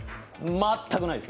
全くないです。